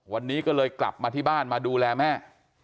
วันนี้ก็เลยกลับมาที่บ้านมาดูแลแม่